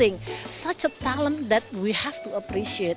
tentu saja talenta yang harus kita hargai